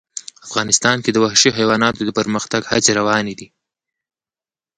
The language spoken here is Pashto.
افغانستان کې د وحشي حیوانات د پرمختګ هڅې روانې دي.